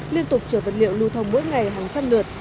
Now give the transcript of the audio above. liên tục chở vật liệu lưu thông mỗi ngày hàng trăm lượt